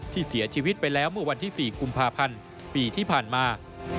เสียชีวิตไปแล้วเมื่อวันที่๔กุมภาพันธ์ปีที่ผ่านมา